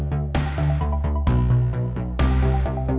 tidak di dalam tuh